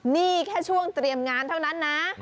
นี่แค่ช่วงเตรียมงานเท่านั้นนะ